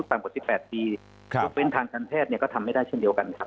ต่ำกว่า๑๘ปีเป็นทางคันแพทย์เนี่ยก็ทำไม่ได้ช่วงเดียวกัน